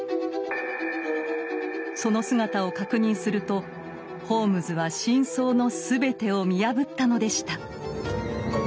その姿を確認するとホームズは真相の全てを見破ったのでした。